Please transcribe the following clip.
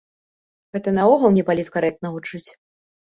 Гэта наогул непаліткарэктна гучыць.